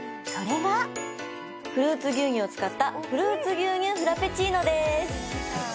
それがフルーツ牛乳を使ったフルーツＧＹＵ−ＮＥＷフラペチーノです。